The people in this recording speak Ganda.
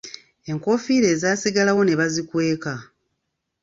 Enkofiira ezaasigalawo ne bazikweka.